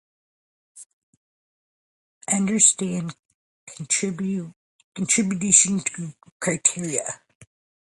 The group was originally known under the name "Galactic Federation of Light".